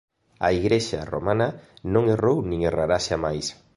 A Igrexa romana non errou nin errará xamais.